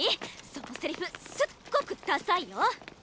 そのセリフすっごくダサいよ！